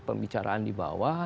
pembicaraan di bawah